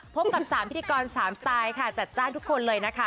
พบกับ๓พิธีกร๓สไตล์ค่ะจัดจ้านทุกคนเลยนะคะ